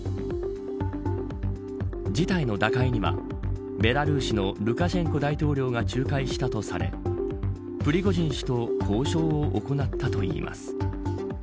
事態の打開にはベラルーシのルカシェンコ大統領が仲介したとされプリゴジン氏と交渉を行ったといいます。